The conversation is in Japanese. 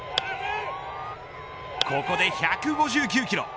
ここで１５９キロ。